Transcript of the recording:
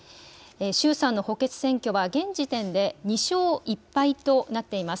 衆参の補欠選挙は現時点で２勝１敗となっています。